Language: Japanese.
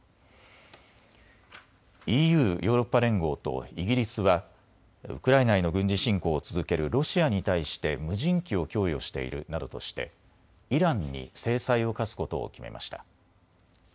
ＥＵ・ヨーロッパ連合とイギリスはウクライナへの軍事侵攻を続けるロシアに対して無人機を供与しているなどとしてイランに制裁を科すことを決めました。